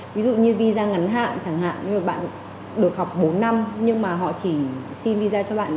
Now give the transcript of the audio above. ví dụ như visa ngắn hạn chẳng hạn như là bạn được học bốn năm nhưng mà họ chỉ xin visa cho bạn